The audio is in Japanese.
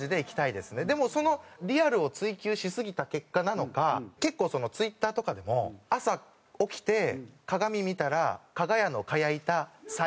でもそのリアルを追求しすぎた結果なのか結構Ｔｗｉｔｔｅｒとかでも「朝起きて鏡見たらかが屋の賀屋いた最悪」っていう。